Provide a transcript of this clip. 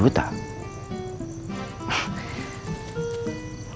waduh lima juta